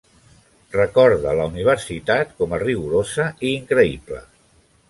Recorda la universitat com a "rigorosa" i "increïble".